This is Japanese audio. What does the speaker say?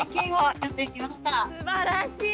すばらしい。